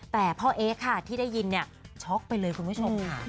แต่พ่อเอ๊ค่ะที่ได้ยินเนี่ยช็อกไปเลยคุณผู้ชมค่ะ